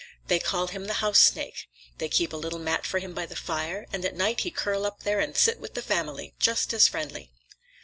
They call him the house snake. They keep a little mat for him by the fire, and at night he curl up there and sit with the family, just as friendly!"